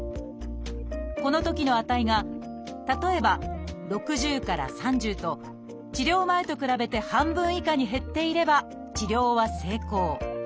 このときの値が例えば６０から３０と治療前と比べて半分以下に減っていれば治療は成功。